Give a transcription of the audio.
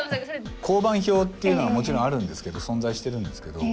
香盤表っていうのはもちろんあるんですけど存在してるんですけど。